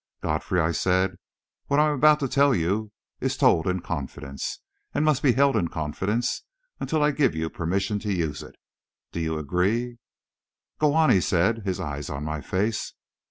"Godfrey," I said, "what I am about to tell you is told in confidence, and must be held in confidence until I give you permission to use it. Do you agree?" "Go on," he said, his eyes on my face.